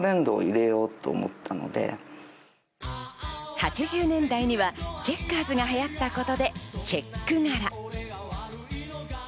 ８０年代にはチェッカーズがはやったことで、チェック柄。